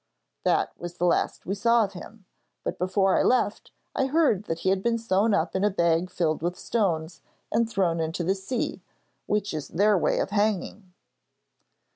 'That was the last we saw of him, but before I left I heard that he had been sewn up in a bag filled with stones, and thrown into the sea, which is their way of hanging.'